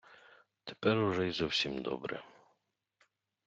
Тепер уже й зовсім добре...